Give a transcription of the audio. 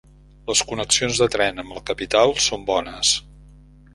Les connexions de tren amb la capital són bones.